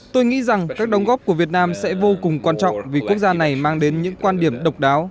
tôi nghĩ rằng các đồng góp của việt nam sẽ vô cùng quan trọng vì quốc gia này mang đến những quan điểm độc đáo